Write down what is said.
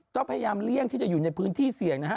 ก็พยายามเลี่ยงที่จะอยู่ในพื้นที่เสี่ยงนะฮะ